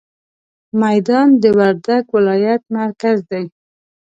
ميدان د وردګ ولايت مرکز دی.